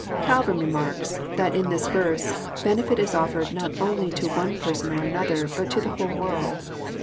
Calvin remarks, that in this verse *< Benefit is offered not only to one person or another, but to the whole world.